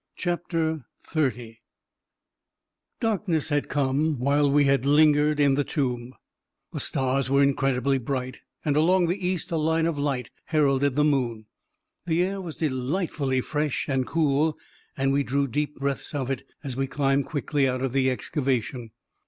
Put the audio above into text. V CHAPTER XXX Darkness had come while we had lingered in the tomb. The stars were incredibly bright, and along the east a line of light heralded the moon. The air was delightfully fresh and cool, and we drew deep breaths of it as we climbed quickly out of the excavation.